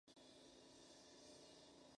Máster of Strategic Studies, Air War College.